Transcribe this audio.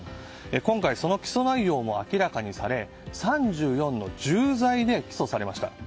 今回、その起訴内容も明らかにされ３４の重罪で起訴されました。